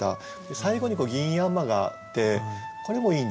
最後に「銀蜻蜒」があってこれもいいんですよね。